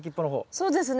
そうですね。